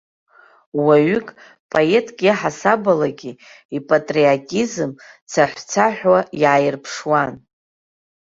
Уаҩык, поетк иаҳасабалагьы ипатриотизм цаҳәцаҳәуа иааирԥшуан.